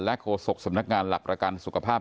โฆษกสำนักงานหลักประกันสุขภาพ